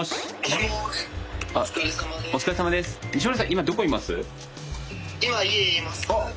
今どこいます？あっ！